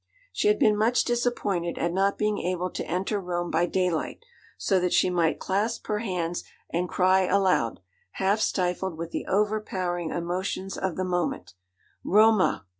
She had been much disappointed at not being able to enter Rome by daylight, so that she might clasp her hands and cry aloud, half stifled with the overpowering emotions of the moment, 'Roma!